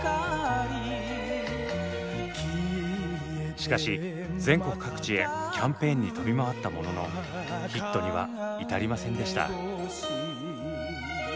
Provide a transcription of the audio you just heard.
しかし全国各地へキャンペーンに飛び回ったもののヒットには至りませんでした。